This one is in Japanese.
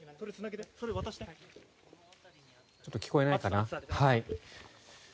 ちょっと聞こえないかな。